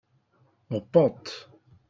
en pente.